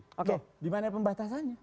oke di mana pembatasannya